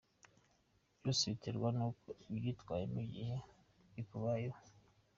Byose biterwa n’uko ubyitwayemo igihe bikubayeho”.